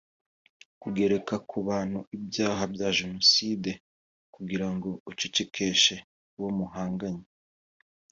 Kugereka k’ubantu ibyaha bya jenoside ugira ngo ucecekeshe uwo muhanganye